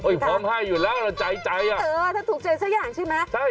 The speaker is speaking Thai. พร้อมให้อยู่แล้วล่ะใจใจอ่ะเออถ้าถูกใจสักอย่างใช่ไหมใช่